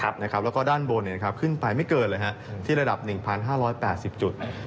แล้วก็ด้านบนขึ้นไปไม่เกินเลยที่ระดับ๑๕๘๐จุด